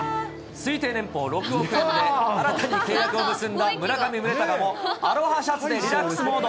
推定年俸６億円で新たに契約を結んだ村上宗隆もアロハシャツでリラックスモード。